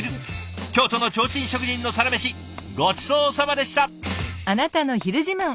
京都の提灯職人のサラメシごちそうさまでした。